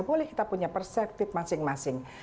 boleh kita punya perspektif masing masing